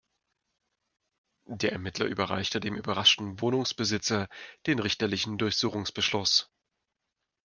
Der Ermittler überreichte dem überraschten Wohnungsbesitzer den richterlichen Durchsuchungsbeschluss.